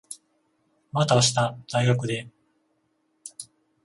また明日、大学で。